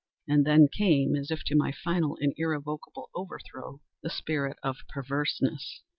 And then came, as if to my final and irrevocable overthrow, the spirit of PERVERSENESS.